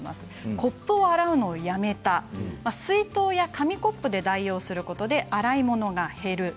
コップを洗うのをやめた水筒や紙コップで代用すると洗い物が減る。